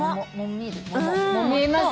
見えます。